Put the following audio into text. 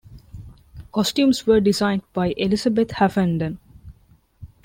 Costumes were designed by Elizabeth Haffenden.